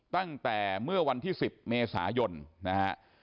ตั้งแต่เมื่อวันที่๑๐เมษายนนะฮะ